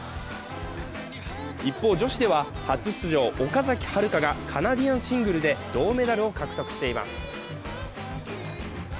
一方、女子では初出場、岡崎遙海がカナディアンシングルで銅メダルを獲得しています。